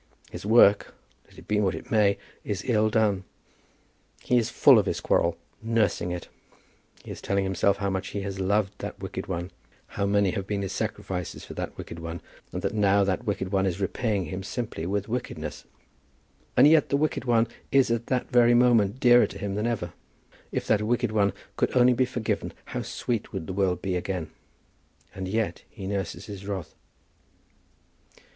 His work, let it be what it may, is ill done. He is full of his quarrel, nursing it. He is telling himself how much he has loved that wicked one, how many have been his sacrifices for that wicked one, and that now that wicked one is repaying him simply with wickedness! And yet the wicked one is at that very moment dearer to him than ever. If that wicked one could only be forgiven how sweet would the world be again! And yet he nurses his wrath.